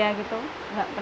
ya xs terima kasih